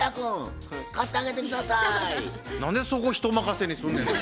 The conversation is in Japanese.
何でそこ人任せにすんねんな。